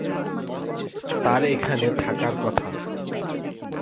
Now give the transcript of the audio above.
তার এখানে থাকার কথা।